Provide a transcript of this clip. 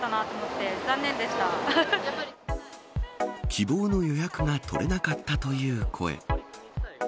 希望の予約が取れなかったという声。